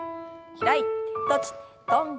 開いて閉じて跳んで。